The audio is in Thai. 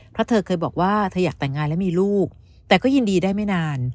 เพราะเธอเคยบอกว่าเธออยากแต่งงานและมีลูกแต่ก็ยินดีได้ไม่นาน